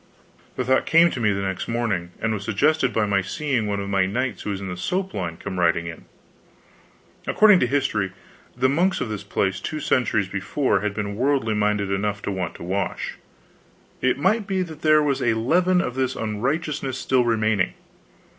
The thought came to me the next morning, and was suggested by my seeing one of my knights who was in the soap line come riding in. According to history, the monks of this place two centuries before had been worldly minded enough to want to wash. It might be that there was a leaven of this unrighteousness still remaining.